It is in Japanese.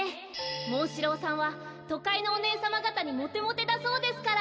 モンシローさんはとかいのおねえさまがたにモテモテだそうですから。